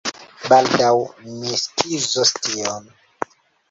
Baldaŭ mi skizos tion!